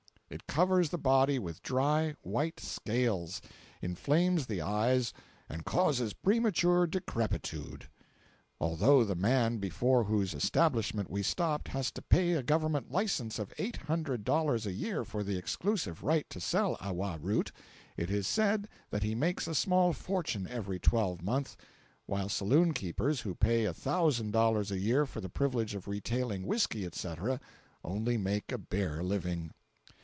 It covers the body with dry, white scales, inflames the eyes, and causes premature decripitude. Although the man before whose establishment we stopped has to pay a Government license of eight hundred dollars a year for the exclusive right to sell awa root, it is said that he makes a small fortune every twelve month; while saloon keepers, who pay a thousand dollars a year for the privilege of retailing whiskey, etc., only make a bare living.